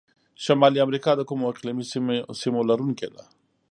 شمالي امریکا د کومو اقلیمي سیمو لرونکي ده؟